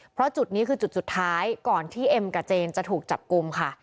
เพราะจุดนี้คือจุดสุดท้ายก่อนที่เอ็มกับเจนจะถูกจับกลุ่มค่ะ